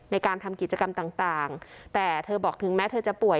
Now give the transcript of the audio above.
ในการทำกิจกรรมต่างแต่เธอบอกถึงแม้เธอจะป่วย